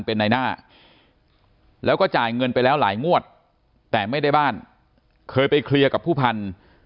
เป็นในหน้าแล้วก็จ่ายเงินไปแล้วหลายงวดแต่ไม่ได้บ้านเคยไปเคลียร์กับผู้พันธุ์